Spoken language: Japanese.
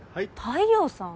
太陽さん？